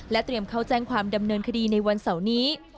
เตรียมเข้าแจ้งความดำเนินคดีในวันเสาร์นี้